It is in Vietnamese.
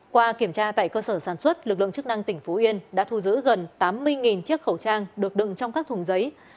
qua kiểm tra tại cơ sở sản xuất lực lượng chức năng tỉnh phú yên đã thu giữ gần tám mươi chiếc khẩu trang được đựng trong các thùng giấy